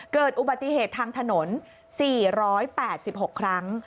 เกิดอุบัติเหตุทางถนน๔๘๖ครั้ง